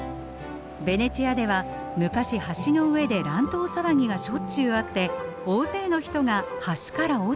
ベネチアでは昔橋の上で乱闘騒ぎがしょっちゅうあって大勢の人が橋から落ちたそうです。